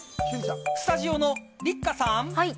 スタジオの六花さん。